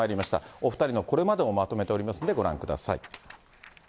お２人のこれまでをまとめておりますんで、ご覧ください。